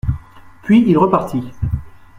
Puis, il repartit.